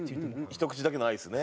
ひと口だけのアイスね。